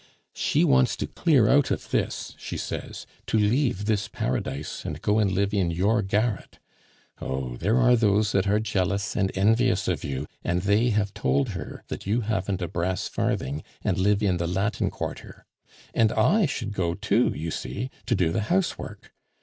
She wants to clear out of this, she says; to leave this paradise and go and live in your garret. Oh! there are those that are jealous and envious of you, and they have told her that you haven't a brass farthing, and live in the Latin Quarter; and I should go, too, you see, to do the house work.